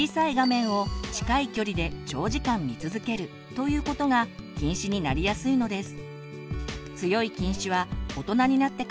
ということが近視になりやすいのです。